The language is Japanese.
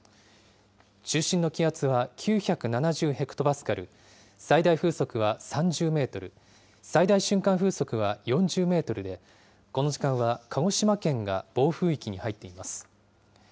中心の気圧は９７０ヘクトパスカル、最大風速は３０メートル、最大瞬間風速は４０メートルで、この時間は鹿児島県が暴風域に入っています。